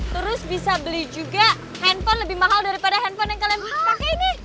terus bisa beli juga handphone lebih mahal daripada handphone yang kalian buka ini